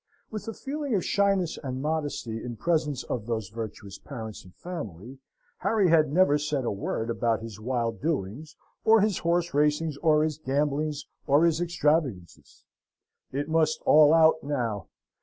With a feeling of shyness and modesty in presence of those virtuous parents and family. Harry had never said a word about his wild doings, or his horse racings, or his gamblings, or his extravagances. It must all out now.